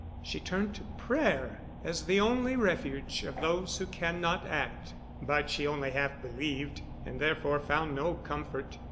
She turned to prayer as the only refuge of those who cannot act, but she only half believed, and therefore found no comfort.